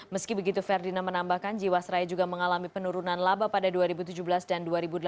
meski begitu ferdinand menambahkan jiwasraya juga mengalami penurunan laba pada dua ribu tujuh belas dan dua ribu delapan belas